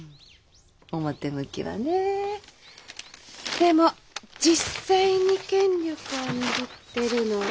でも実際に権力を握ってるのは？